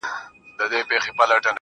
نو دا په ما باندي چا كوډي كړي.